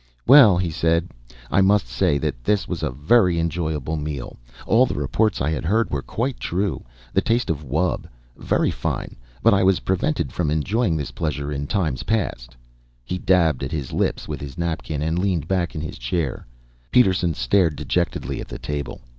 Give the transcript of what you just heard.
"Well," he said. "I must say that this was a very enjoyable meal. All the reports I had heard were quite true the taste of wub. Very fine. But I was prevented from enjoying this pleasure in times past." He dabbed at his lips with his napkin and leaned back in his chair. Peterson stared dejectedly at the table.